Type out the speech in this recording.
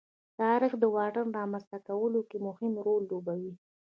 تاریخ د واټن رامنځته کولو کې مهم رول لوبوي.